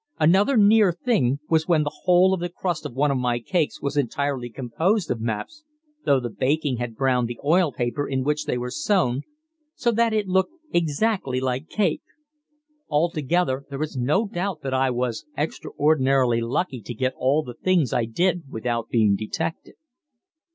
Another "near thing" was when the whole of the crust on one of my cakes was entirely composed of maps, though the baking had browned the oilpaper in which they were sewn so that it looked exactly like cake. Altogether there is no doubt that I was extraordinarily lucky to get all the things I did without being detected.